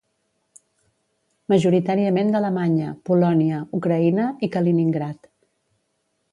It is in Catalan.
Majoritàriament d'Alemanya, Polònia, Ucraïna i Kaliningrad.